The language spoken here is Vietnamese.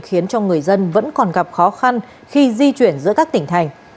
khiến cho người dân vẫn còn gặp khó khăn khi di chuyển giữa các tỉnh thành